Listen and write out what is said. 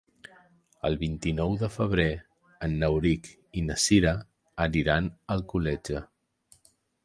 El vint-i-nou de febrer en Rauric i na Cira iran a Alcoletge.